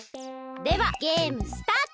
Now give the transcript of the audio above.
ではゲームスタート！